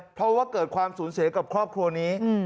เพราะว่าเกิดความสูญเสียกับครอบครัวนี้